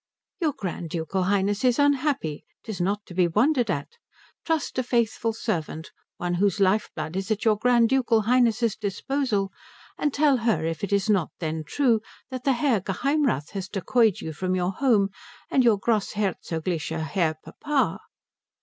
"Your Grand Ducal Highness is unhappy. 'Tis not to be wondered at. Trust a faithful servant, one whose life blood is at your Grand Ducal Highness's disposal, and tell her if it is not then true that the Herr Geheimrath has decoyed you from your home and your Grossherzoglicher Herr Papa?"